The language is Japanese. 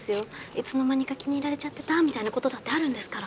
いつの間にか気に入られちゃってたみたいなことだってあるんですから。